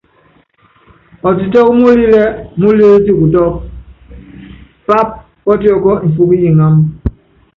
Ɔtitɔ́k múlilɛ́ múlilɛ́ tikutɔ́k pááp pɔ́tiɔkɔ́ mfɔ́k yi ŋámb.